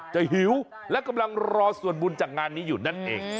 หิวและกำลังรอส่วนบุญจากงานนี้อยู่นั่นเอง